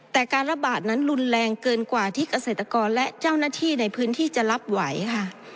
แต่การระบาดนั้นรุนแรงเกินกว่าที่เกษตรกรและเจ้าหน้าที่ในพื้นที่จะรับไหวค่ะ